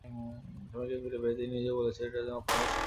স্বামীকে ফিরে পেয়ে তিনি নিজেও বলেছেন, এটাই যেন অপহরণের শেষ ঘটনা হয়।